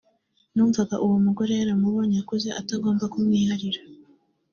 numvaga uwo mugore yaramubonye akuze atagomba kumwiharira